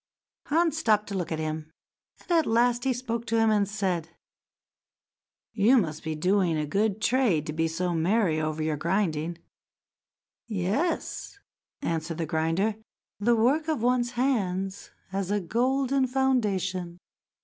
Hans stopped to look at him, and at last he spoke to him and said: "You must be doing a good trade to be so merry over your grinding." "Yes," answered the grinder. "The work of one's hands has a golden foundation.